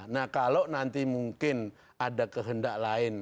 nah kalau nanti mungkin ada kehendak lain